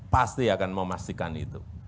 pasti akan memastikan itu